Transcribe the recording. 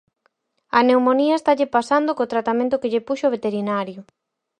A pneumonía estalle pasando co tratamento que lle puxo o veterinario.